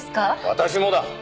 私もだ！